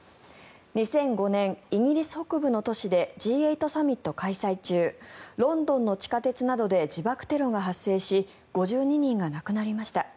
２００５年イギリス北部の都市でＧ８サミット開催中ロンドンの地下鉄などで自爆テロが発生し５２人が亡くなりました。